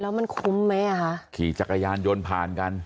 แล้วมันคุ้มไหมอ่ะคะขี่จักรยานยนต์ผ่านกัน